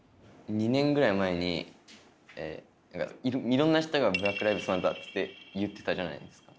２年ぐらい前にいろんな人が「ブラック・ライブズ・マター」って言ってたじゃないですか。